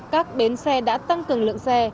các bến xe đã tăng cường lượng xe